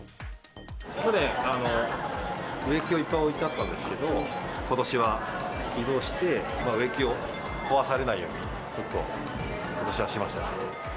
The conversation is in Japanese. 去年、植木をいっぱい置いてあったんですけど、ことしは移動して、植木を壊されないように、ちょっとことしはしました。